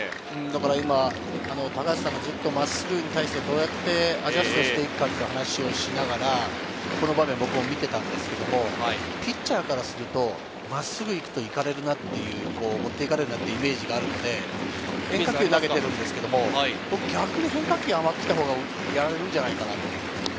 だから今、高橋さんがずっと真っすぐに対してどうやってアジャストしていくかっていう話をしながら、この場面、僕も見てたんですけれど、ピッチャーからすると、真っすぐ行くといかれるなっていう持っていかれるなっていうイメージがあるので、変化球を投げてるんですけど僕は逆に変化球を甘く来たほうがやられるんじゃないかなと。